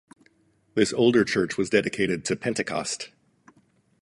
This older church was dedicated to Pentecost.